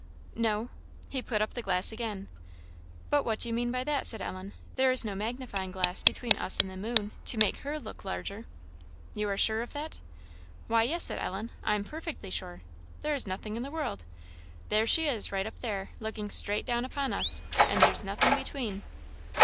"No." He put up the glass again. "But what do you mean by that?" said Ellen, "there is no magnifying glass between us and the moon to make her look larger." "You are sure of that?" "Why, yes," said Ellen, "I am perfectly sure; there is nothing in the world. There she is, right up there, looking straight down upon us, and there is nothing between."